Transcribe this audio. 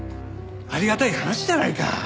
ありがたい話じゃないか。